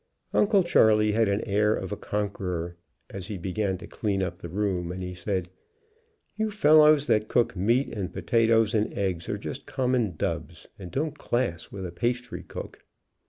Uncle Charley had an air of a conqueror, as he began to clean up the room, and he said: "You fellows that cook meat and potatoes and eggs are just common dubs and don't class with a pastry cook."